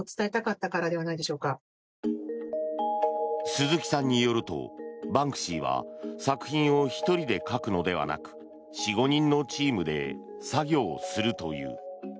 鈴木さんによるとバンクシーは作品を１人で描くのではなく４５人のチームで作業するという。